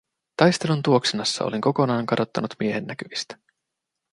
Taistelun tuoksinassa olin kokonaan kadottanut miehen näkyvistä.